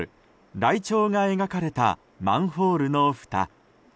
ライチョウが描かれたマンホールのふた。